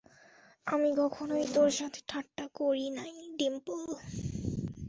আমি কখনই তোর সাথে ঠাট্টা করি নাই, ডিম্পল!